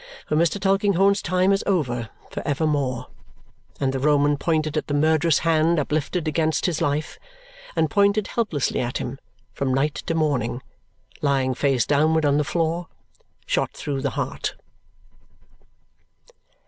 For Mr. Tulkinghorn's time is over for evermore, and the Roman pointed at the murderous hand uplifted against his life, and pointed helplessly at him, from night to morning, lying face downward on the floor, shot through the heart.